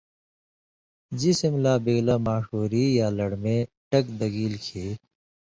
جسم لا بِگلہ ماݜُوری یا لڑمے ٹک دگیلیۡ کھیں